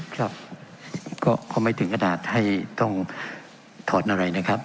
ครับก็ไม่ถึงกระดาษให้ต้องถอดอะไรนะครับ